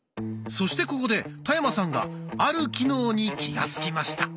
そしてここで田山さんがある機能に気が付きました。